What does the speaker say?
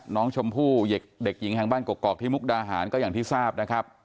น้องชมพู่เด็กหญิงแห่งบ้านกกอกที่มุกดาหารก็อย่างที่ทราบนะครับ